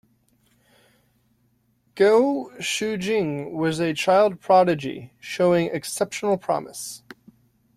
Guo Shoujing was a child prodigy, showing exceptional promise.